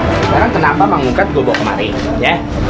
sekarang kenapa mengungkat go go kemarin ya